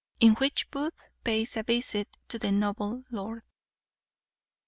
_In which Booth pays a visit to the noble lord.